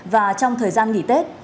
và trong thời gian nghỉ tết